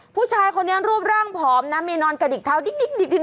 ผู้ชายคนนี้รูปร่างผอมนะมีนอนกระดิกเท้าดิ๊ก